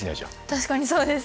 確かにそうですね。